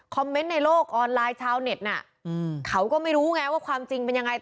เมนต์ในโลกออนไลน์ชาวเน็ตน่ะเขาก็ไม่รู้ไงว่าความจริงเป็นยังไง